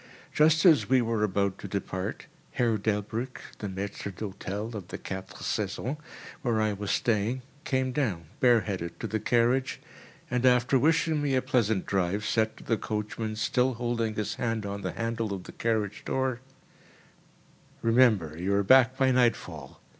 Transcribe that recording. Just as we were about to depart, Herr DelbrĂĽck (the maître d'hĂ´tel of the Quatre Saisons, where I was staying) came down, bareheaded, to the carriage and, after wishing me a pleasant drive, said to the coachman, still holding his hand on the handle of the carriage door: "Remember you are back by nightfall.